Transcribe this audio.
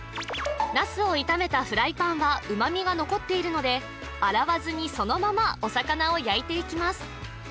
茄子を炒めたフライパンは旨みが残っているので洗わずにそのままお魚を焼いていきます